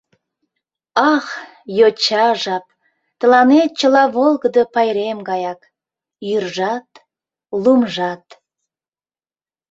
Ах, йоча жап, тыланет чыла Волгыдо пайрем гаяк: йӱржат, лумжат!